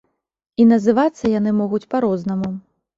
І называцца яны могуць па-рознаму.